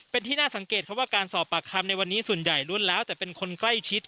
เป็นที่น่าสังเกตเพราะว่าการสอบปากคำในวันนี้ส่วนใหญ่ล้วนแล้วแต่เป็นคนใกล้ชิด